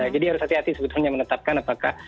jadi harus hati hati sebetulnya menetapkan apakah